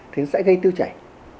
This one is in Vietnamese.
thì nó sẽ gây tiêu chảy